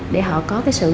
để họ có cái sự